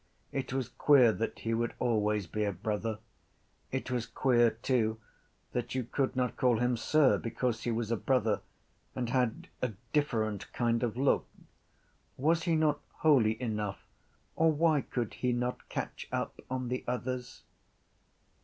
It was queer that he would always be a brother. It was queer too that you could not call him sir because he was a brother and had a different kind of look. Was he not holy enough or why could he not catch up on the others?